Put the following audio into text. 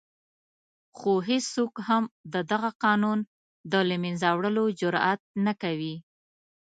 خو هېڅوک هم د دغه قانون د له منځه وړلو جرآت نه کوي.